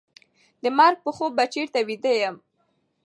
د مرګ په خوب به چېرته ویده یم